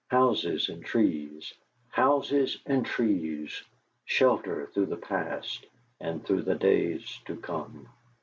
Houses and trees, houses and trees! Shelter through the past and through the days to come!